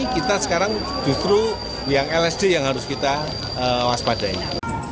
kita sekarang justru yang lsd yang harus kita waspadai